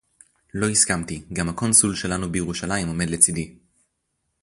לֹא הִסְכַּמְתִּי. גַּם הַקּוֹנְסוּל שֶׁלָּנוּ בִּירוּשָׁלַיִם עוֹמֵד לְצִדִּי.